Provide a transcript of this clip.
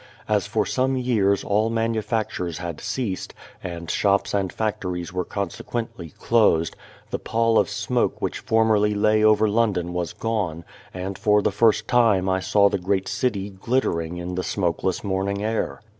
As for some years all manufactures had ceased, and shops and factories were con sequently closed, the pall of smoke which 287 A World formerly lay over London was gone, and for the first time I saw the great city glittering in the smokeless morning air.